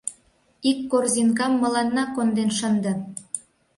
Ик корзинкам мыланна конден шынде!